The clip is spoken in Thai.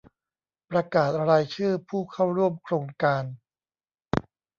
ประกาศรายชื่อผู้เข้าร่วมโครงการ